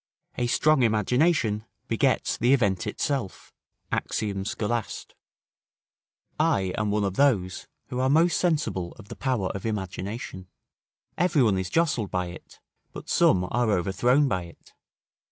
["A strong imagination begets the event itself." Axiom. Scholast.] I am one of those who are most sensible of the power of imagination: every one is jostled by it, but some are overthrown by it.